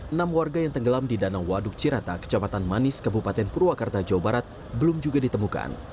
enam warga yang tenggelam di danau waduk cirata kecamatan manis kabupaten purwakarta jawa barat belum juga ditemukan